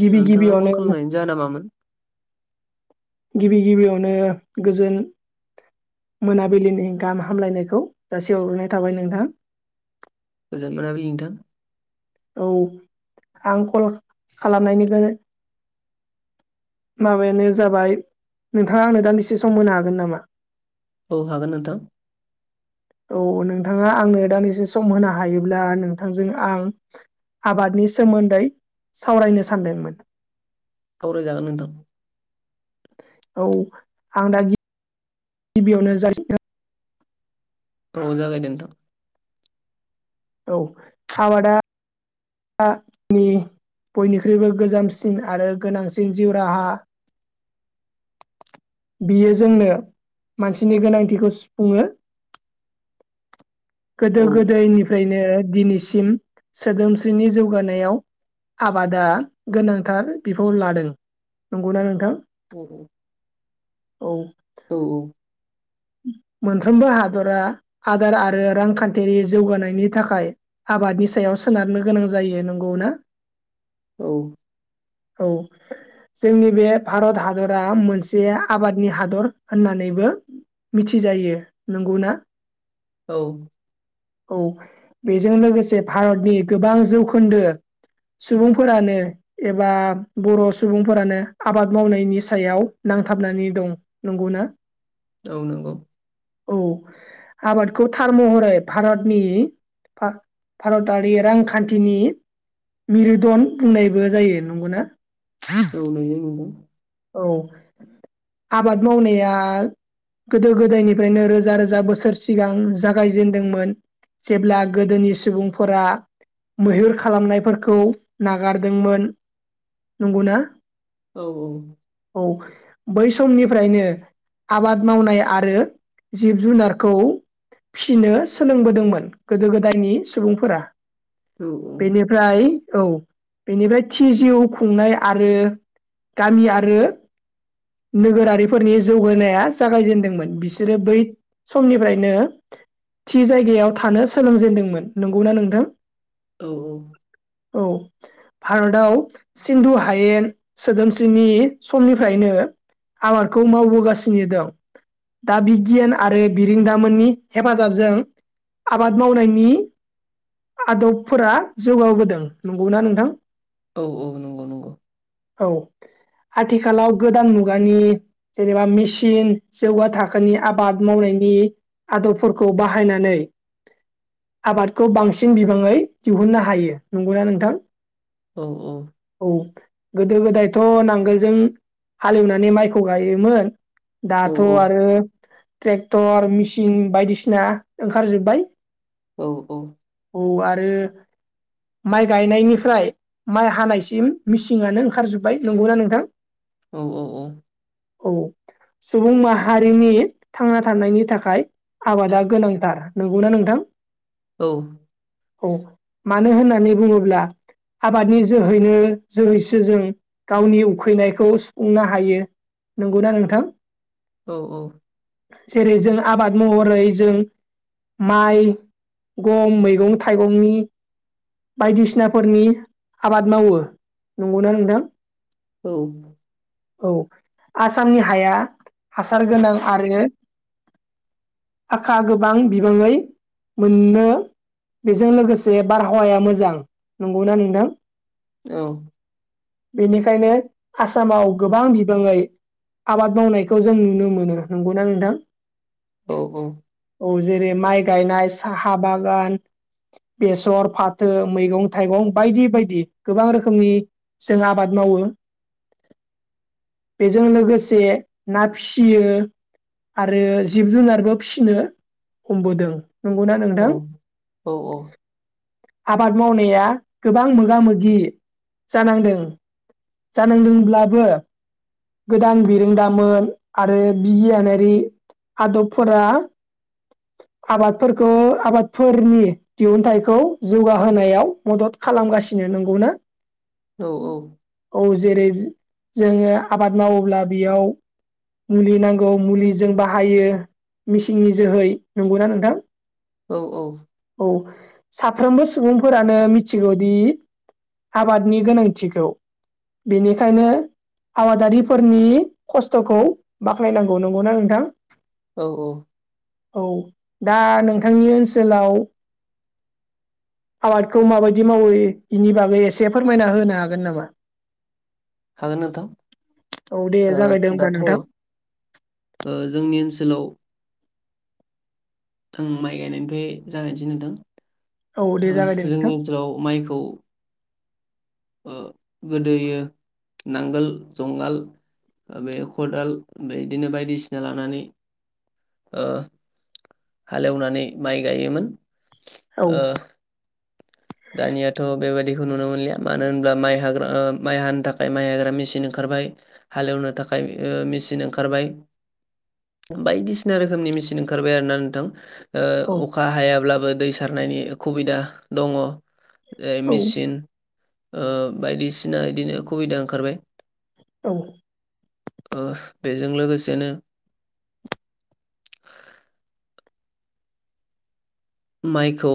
गिबि गिबि नोंथाङा फन अने [inaudible] खालामनायनि जाहोना मामोन गिबि गिबियावनो गोजोन मोनाबिलिनि गाहाम हामलायनायखौ जासि हरग्रोनाय थाबाय नोंथां। गोजोन‌ मोनाबिलिनि नोंथां औ आं कल खालामनायनिफ्राय [unintelligible] माबायानो जाबाय नोंथाङा आंनो दान्दिसे सम मोनो हागोन नामा? औ हागोन नोंथां औ नोंथाङा आंनो दानदिसे सम होनो हायोब्ला नोंथांजों आं आबादनि सोमोन्दै सावरायनो सानदोंमोन। सावरायजागोन नोंथां। औ आं दा गिबियावनो [unintelligible] औ जागोन दे नोंथां औ आबादा नि बयनिख्रुइबो गोजामसिन आरो गोनांसिन जिउ राहा [inaudible] बियो जोंनो मानसिनि गोनांथिखौ सुफुङो गोदो औ गोदायनिफ्रायनो दिनैसिम सोदोम जोंनि जौगानायाव आबादा गोनांथार बिफाव लादों नंगौना नोंथां औ औ औ औ उम मोनफ्रोमबो हादरा आदार आरो रांखान्थियारि जौगानायनि थाखाय आबादनि सायाव सोनारनो गोनां जायो नंगौ ना औ औ जोंनि बे भारत हादरा मोनसे आबादनि हादर होननानैबो मिथिजायो नंगौ ना औ औ बेजों लोगोसे भारतनि गोबां जौखोन्दो सुबुंफोरानो एबा बर' सुबुंफोरानो आबाद मावनायनि सायाव नांथाबनानै दं नंगौ ना औ नंगौ औ आबादखौ थार महरै भारतनि भारतारि रांखान्थिनि मिरुदन बुंनायबो जायो नंगौना औ नंगौ नोंथां औ आबाद मावनाया गोदो गोदायनिफ्रायनो रोजा रोजा बोसोर सिगां जागायजेनदोंमोन जेब्ला गोदोनि सुबुंफोरा मैहुर खालामनायफोरखौ नागारदोंमोन नंगौना औ औ बै समनिफ्रायनो आबाद मावनाय आरो जिब जुनारखौ फिसिनो सोलोंबोदोंमोन गोदो गोदायनि सुबुंफोरा औ बेनिफ्राय औ बेनिफ्राय थि जिउ खुंनाय आरो गामि आरो नोगोरारिफोरनि जौगानाया जागायजेनदोंमोन बिसोरो बै समनिफ्रायनो थि जायगायाव थानो सोलोंजेनदोंमोन नंगौना नोंथां औ औ औ भारतआव सिन्धु हायेन सोदोम सिनि समनिफ्रायनो आबादखौ मावबोगासिनो दं दा बिगियान आरो बिरोंदामोननि हेफाजाबजों आबाद मावनायनि आदबफोरा जौगाबोदों नंगौ ना नोंथां औ औ नंगौ नंगौ औ आथिखालाव गोदान मुगानि जेनेबा मेसिन जौगा थाखोनि आबाद मावनायनि आदबफोरखौ बाहायनानै आबादखौ बांसिन सिन बिबाङै दिहुननो हायो नंगौना नोंथां औ औ औ गोदो गोदायथ' नांगोलजों हालेवनानै माइखौ गायोमोन औ दाथ' आरो ट्रेक्टर मेसिन बायदिसिना ओंखारजोब्बाय औ औ औ आरो माइ गायनायनिफ्राय माइ हानायसिम मिसिननानो ओंखारजोबबाय नंगौना नोंथां औ औ औ औ सुबुं माहारिनि थांना थानायनि थाखाय आबादा गोनांथार नंगौना नोंथां औ औ मानो होननानै बुङोब्ला आबादनि जोहैनो जोहैसो जों गावनि उखैनायखौ सुफुंनो हायो नंगौना नोंथां औ औ जेरै जों आबाद महरै जों माइ गम मैगं थाइगंनि बायदिसिनाफोरनि आबाद मावो नंगौना नोंथां औ औ आसामनि हाया हासार गोनां आरो आखा गोबां बिबाङै मोनो बेजों लोगोसे बार हावाया मोजां नंगौना नोंथां औ बेनिखायनो आसामाव गोबां बिबाङै आबाद मावनायखौ जों नुनो मोनो नंगौना नोंथां औ औ औ जेरै माइ गायनाय साहा बागान बेसर फाथो मैगं थाइगं बायदि बायदि गोबां रोखोमनि जों आबाद मावो बेजों लोगोसे ना फिसियो आरो जिब जुनारबो फिसिनो हमबोदों नंगौना नोंथां औ औ औ आबाद मावनाया गोबां मोगा मोगि जानांदों जानांदोंब्लाबो गोदान बिरोंदामोन आरो बिगियानारि आदबफोरा आबादफोरखौ आबादफोरनि दिहुनथाइखौ जौगाहोनायाव मदद खालामगासिनो नोंगौना औ औ औ जेरै जो जोङो आबाद मावोब्ला बेयाव मुलि नांगौ मुलिजों बाहायो मेचिननि जोहै नंगौना नोंथां औ औ औ साफ्रोमबो सुबुंफोरानो मिथिगौदि आबादनि गोनांथिखौ बेनिखायनो आबादारिफोरनि खस्थ'खौ बाख्नायनांगौ नंगौना नोंथां औ औ औ दा नोंथांनि ओनसोलाव आबादखौ माबायदि मावो बेनि बागै एसे फोरमायना होनो हागोन नामा हागोन नोंथां औ दे ओ जागायदो होमबा दाथ' नोंथां जोंनि ओन सोलाव आं माइ गायनायनिफ्राय जागायनोसै नोंथां औ दे ओ जागायदो नोंथां जोंनि ओनसोलाव माइखौ ओ गोदोयो नांगोल जुंगाल ओ बे खदाल बेदिनो बायदिसिना लानानै ओ हालेवनानै माइ गायोमोन। औ ओ दानियाथ' बेबायदिखौ नुनो मोनलिया। मानो होनब्ला माइ हाग्रा ओ माइ हानो थाखाय माइ हाग्रा मेसिन ओंखारबाय हालेवनो थाखाय ओ मेसिन ओंखारबाय [inaudible] बायदिसिना रोखोमनि मेसिन ओंखारबाय आरो ना नोंथां औ ओ अखा हायाब्लाबो दै सारनायनि खुबिदा दङ' जेरै औ मेचिन। ओ बायदिसिना इदिनो खुभिदा ओंखारबाय औ ओ बेजों लोगोसेनो माइखौ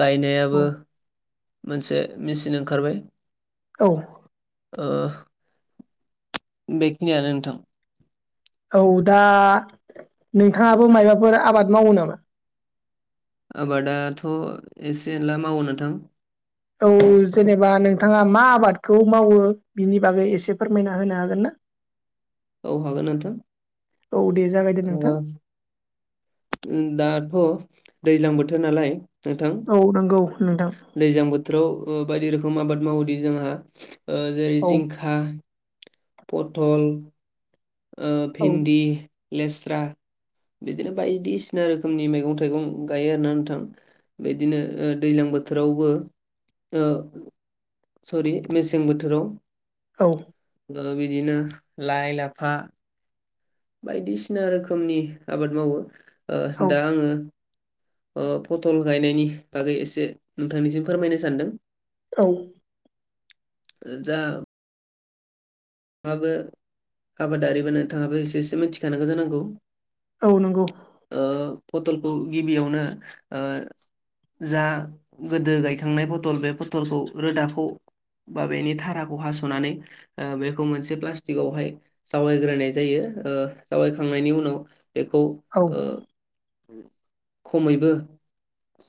गायनायाबो मोनसे मेचिन ओंखारबाय। औ ओ बेखिनियानो नोंथां। औ दा नोंथाङाबो मायबाफोर आबाद मावो नामा? आबादाथ' एसे एनला मावो नोथां। औ जेनेबा नोंथाङा मा आबादखौ मावो बिनि बागै एसे फोरमायना होनो हागोन ना? औ हागोन नोंथां औ दे जागायदो नोंथां। उ दाथ' दैज्लां बोथोर नालाय नोंथां औ नंगौ नोंथां दैज्लां बोथोराव ओ बायदि रोखोम आबाद मावोदि जोंहा ओ जेरै औ जिंखा पथल ओ औ भिन्दि लेस्रा बिदिनो बायदिसिना रोखोमनि मैगं थाइगं गायो आरोना नोंथां। बिदिनो ओ दैज्लां बोथोरावबो सरि मेसें बोथोराव औ ओ बिदिनो लाइ लाफा बायदिसिना रोखोमनि आबाद मावो ओ औ दा आङो ओ पथल गायनायनि बागै एसे नोंथांनिसिम फोरमायनो सानदों औ ओ जा थाङाबो आबादारि बा नोंथाङाबो एसेसो मिथिखानांगौ जानांगौ औ नंगौ फटलखौ गिबियावनो ओ जा गोदो गायखांनाय पथल बे पथलखौ रोदाखौ बा बेनि ताराखौ हास'नानै ओ बेफो रखौ मोनसे पस्टिकवहाय जावायग्रोनाय जायो ओ जावायखांनायनि उनाव बेखौ औ ओ खमैबो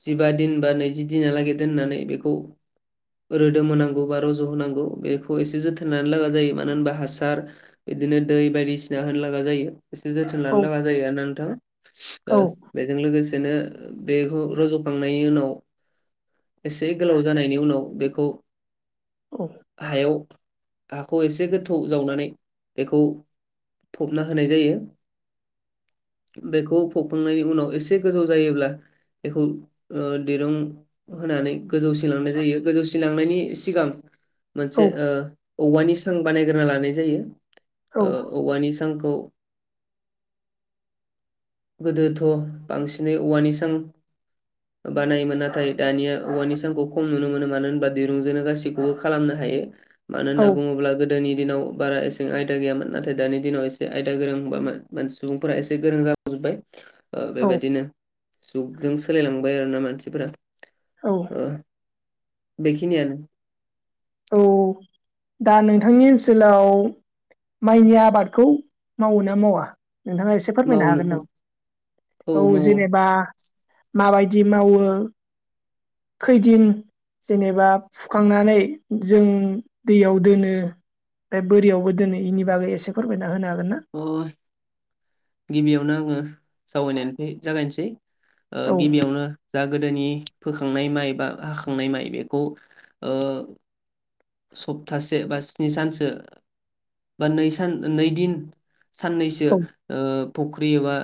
जिबा दिन बा नैजि दिनालागै दोननानै बेखौ रोदोम होनांगौ बा रज' होनांगौ बेखौ एसे जोथोन लानो लागा जायो मानो मानो होनबा हासार बिदिनो दै बायदिसिना होनो लागा जायो। एसे जोथोन औ लानो लाबा जायो आर नोंथां। औ ओ बेजों लोगोसे बिदिनो बेखौ रज'खांनायनि उनाव एसे गोलाव जानायनि उनाव बेखौ औ हायाव हाखौ एसे गोथ थौ जावनानै बेखौ फबना होनाय जायो। बेखौ फखांनायनि उनाव एसे गोजौ जायोब्ला बेखौ ओ दिरुं होनानै गोजौसिन लांनाय जायो गोजौसिन लांनायनि सिगां औ मोनसे औवानि सां बानायग्रोना लानाय औ जायो औवानि सांखौ [unintelligible] गोदोथ' बांसिनै औवानि सां बानायोमोन नाथाय दानिया औवानि सांखौ खम नुनो मोनो मानो होनबा दिरुंजोंनो गासैखौबो खालामनो हायो मानो औ होनना बुङोब्ला गोदोनि दिनाव बारा एसां आयदा गैयामोन नाथाय दानि दिनाव एसे आयदा गोरों सुबुंफोरा एसे गोरों जाबोजोबबाय बेबायदिनो जुगजों सोलायलांबाय आरोना मानसिफोरा औ बेखिनि आनो बिथांनि ओनसोलाव माइनि आबादखौ मावो ना मावा नोंथाङा एसे फोरमायनो मावो हागोन नोंथां नामा औ जेनेबा माबायदि मावो खैदिन जेनेबा फुखांनानै जों दैयाव दोनो ओमफ्राय बोरियावबो दिनैनि बागै एसे फोरमायना होनो हागोन ना अ गिबियावनो आङो जावायनायनिफाय जागायनोसै औ गिबियावनो दा गोदोनि फोखांनाय माइ बा हाखांनाय माइ बेखौ सप्तासे बा स्नि सानसो बा नै सान नै दिन साननैसो औ फख्रि एबा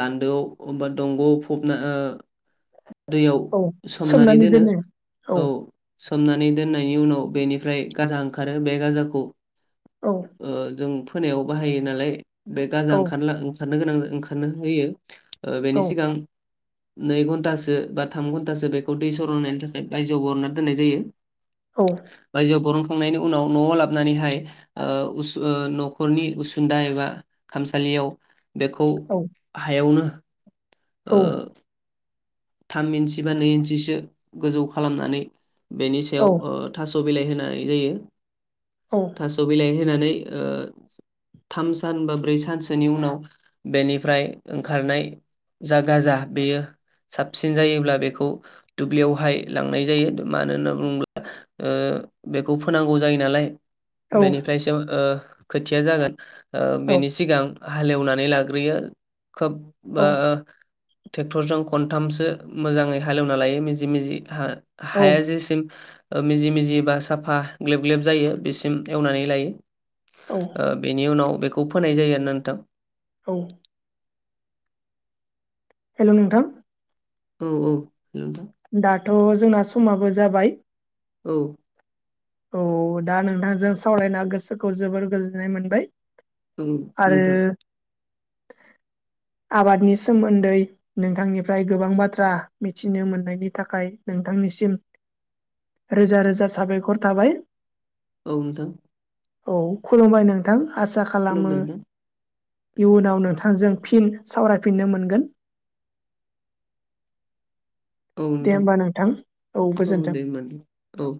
लान्दोआव बा दंग'आव फबना दैयाव सोमनानै दोनो औ सोमनानै दोननायनि उनाव बेनिफ्राय गाजा ओंखारो बे गाजाखौ औ जों फोनायाव बाहायो नालाय बे गाजा औ ओंखारला ओंखार ओंखारनो गोनां ओंखारनो होयो औ बेनि सिगां नै घन्टासो बा थाम घन्टासो बेखौ दै सर होननायनि थाखाय रायजोआव बरनना दोननाय जायो औ बायजोआव बरनखांना खांनायनि उनाव न'आव लाबनानैहाय न'खरनि उसुनदा एबा खामसालि बेखौ हायावनो ओ थाम इन्सि बा नै इन्सिसो गोजौ खालामनानै बेनि औ सायाव थास' बिलाइ होनाय जायो औ थास बिलाइ होनानै थाम सान बा ब्रै सानसोनि उनाव बेनिफ्राय ओंखारनाय जागााजा बेयो साबसिन जायोब्ला बेखौ दुब्लियावहाय लांनाय जायो मानो होनना बुङोब्ला बेखौ फोनांगौ जायो नालाय औ बेनिफ्रायसो खोथिया जागोन बेनि सिगां हालेवनानै लाग्रोयो खोब औ ट्रेक्टरजों खनथामसो मोजाङै हालेवना लायो मिजि मिजि औ हाया जेसिम मिजि मिजि बा साफा ग्लेब ग्लेब जायो बेसिम एवनानै लायो औ बेनि उनाव बेखौ फोनाय जायो आरोना नोंथां औ हेल' नोंथां औ औ नोंथां दाथ' जोंना समाबो जाबाय औ औ दा नोंथांजों सावरायना गोसोखौ जोबोर गोजोननाय मोनबाय औ आरो नोंथां [unintelligible] आबादनि सोमोन्दै नोंथांनिफ्राय गोबां बाथ्रा मिथिनो मोननायनि थाखाय नो नोंथांनिसिम रोजा रोजा साबायखर थाबाय। औ नोंथां औ खुलुमबाय नोंथां आसा खालामो खुलुमबाय नोंथां इयुनाव नोंथांजों फिन सावरायफिननो मोनगोन [inaudible] दे होमबा नोंथां औ गोजोन्थों दे होमबा नोंथां औ